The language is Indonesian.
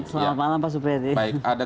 selamat malam pak supyadin